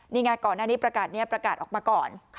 นี่ไงก่อนหน้านี้ประกาศนี้ประกาศออกมาก่อน